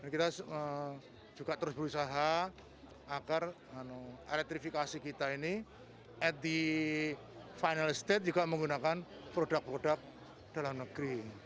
kita juga terus berusaha agar elektrifikasi kita ini at the final state juga menggunakan produk produk dalam negeri